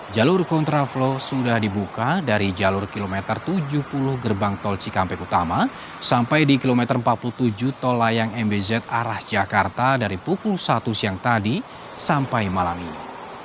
jalur kontraflow sudah dibuka dari jalur kilometer tujuh puluh gerbang tol cikampek utama sampai di kilometer empat puluh tujuh tol layang mbz arah jakarta dari pukul satu siang tadi sampai malam ini